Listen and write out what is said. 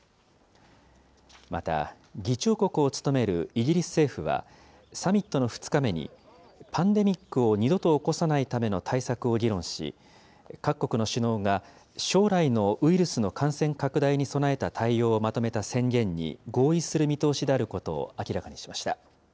また、議長国を務めるイギリス政府は、サミットの２日目に、パンデミックを二度と起こさないための対策を議論し、各国の首脳が将来のウイルスの感染拡大に備えた対応をまとめた宣言に合意する見通しであることを明らかにしました。